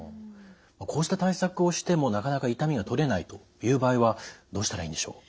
こうした対策をしてもなかなか痛みがとれないという場合はどうしたらいいんでしょう？